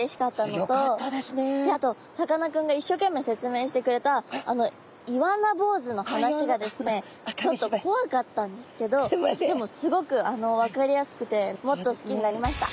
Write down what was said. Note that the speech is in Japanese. であとさかなクンがいっしょうけんめい説明してくれたあのイワナ坊主の話がですねちょっと怖かったんですけどでもすごく分かりやすくてもっと好きになりました。